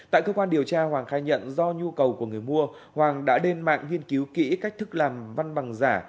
tại cơ quan điều tra hoàng khai nhận do nhu cầu của người mua hoàng đã lên mạng nghiên cứu kỹ cách thức làm văn bằng giả